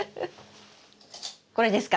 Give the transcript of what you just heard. これですか？